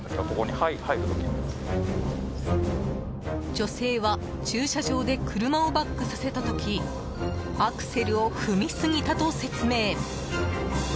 女性は駐車場で車をバックさせた時アクセルを踏みすぎたと説明。